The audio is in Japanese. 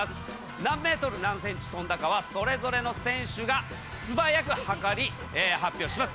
何メートル何センチ飛んだかは、それぞれの選手が素早く測り、発表します。